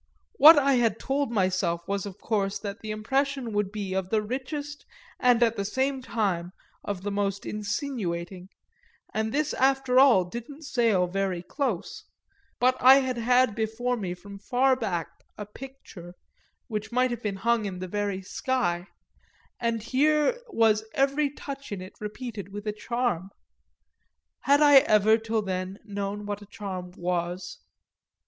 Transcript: What I had told myself was of course that the impression would be of the richest and at the same time of the most insinuating, and this after all didn't sail very close; but I had had before me from far back a picture (which might have been hung in the very sky,) and here was every touch in it repeated with a charm. Had I ever till then known what a charm was?